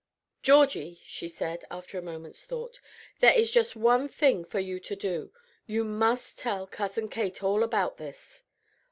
"Georgie," she said, after a moment's thought, "there is just one thing for you to do. You must tell Cousin Kate all about this."